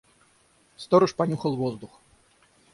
Сторож понюхал воздух.